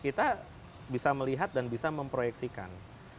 kita bisa melihat dan bisa memproyeksikan